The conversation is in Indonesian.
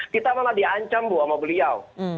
kita malah diancam bu sama beliau